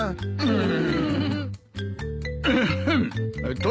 うん？